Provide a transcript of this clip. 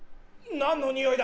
何のにおいだ